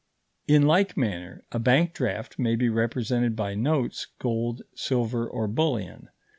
In like manner a bank draft may be represented by notes, gold, silver, or bullion.